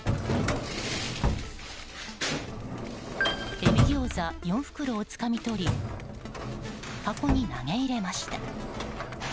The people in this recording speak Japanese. えびギョーザ４袋をつかみ取り箱に投げ入れました。